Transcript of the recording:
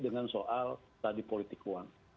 dengan soal tadi politik uang